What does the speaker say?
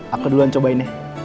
aku duluan cobain ya